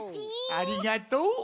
ありがとう。